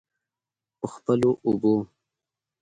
په خپلو اوبو.